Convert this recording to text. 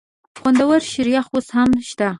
خوندور شریخ اوس هم شته؟